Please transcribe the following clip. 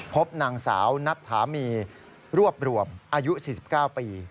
พบนางสาวนัทธามีรวบรวมอายุ๔๙ปี